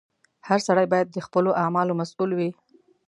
• هر سړی باید د خپلو اعمالو مسؤل وي.